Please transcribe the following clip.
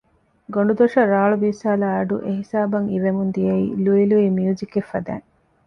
ގޮނޑުދޮށަށް ރާޅު ބީއްސާލާ އަޑު އެ ހިސާބަށް އިވެމުން ދިއައީ ލުއި ލުއި މިޔުޒިކެއް ފަދައިން